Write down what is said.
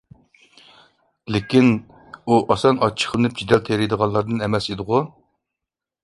لېكىن، ئۇ ئاسان ئاچچىقلىنىپ، جېدەل تېرىيدىغانلاردىن ئەمەس ئىدىغۇ؟